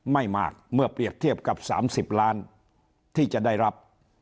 ไม่มากเมื่อเปรียบเทียบกับ๓๐ล้านที่จะได้รับ